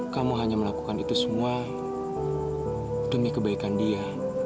kamu hanya melakukan itu semua demi kebaikan dia